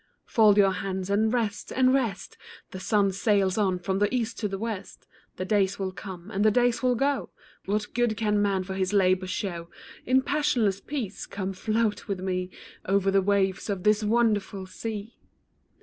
Fold your hands and rest, and rest, The sun sails on from the east to the west, The days will come, and the days will go, What good can man for his labor show In passionless peace, come float with me Over the waves of this wonderful sea.